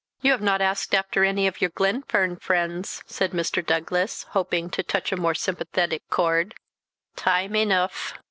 "You have not asked after any of your Glenfern friends," said Mr. Douglas, hoping to touch a more sympathetic chord. "Time eneugh.